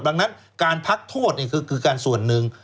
ดังนั้นการพักโทษนี่คือการส่วนหนึ่ง